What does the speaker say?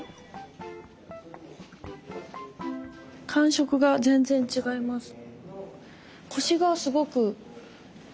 感触が全然違います。